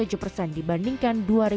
ini adalah perusahaan yang sangat berharga